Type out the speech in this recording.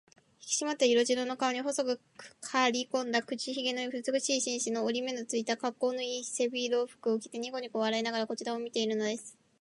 ひきしまった色白の顔に、細くかりこんだ口ひげの美しい紳士が、折り目のついた、かっこうのいい背広服を着て、にこにこ笑いながらこちらを見ているのです。